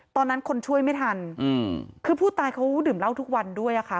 ตอนนั้นคนช่วยไม่ทันคือผู้ตายเขาดื่มเหล้าทุกวันด้วยอะค่ะ